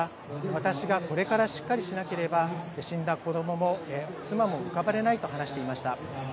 私がこれからしっかりしなければ、死んだ子どもも妻もうかばれないと話していました。